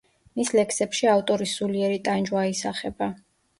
მის ლექსებში ავტორის სულიერი ტანჯვა აისახება.